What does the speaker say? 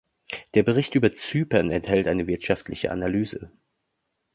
Der Bericht über Zypern enthält eine wirtschaftliche Analyse.